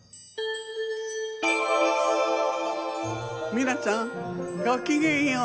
みなさんごきげんよう！